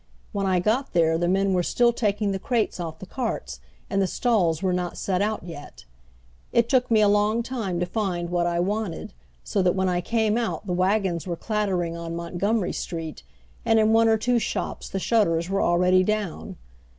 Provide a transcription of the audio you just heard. When I got there the men were still taking the crates off the carts, and the stalls were not set out yet. It took me a long time to find what I wanted, so that when I came out the wagons were clattering on Montgomery Street, and in one or two shops the shutters were already down.